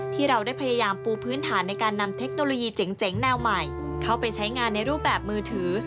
ที่เราได้พยายามปูพื้นฐานในการนำเทคโนโลยีเจ๋งแนวใหม่เข้าไปใช้งานในรูปแบบมือถือ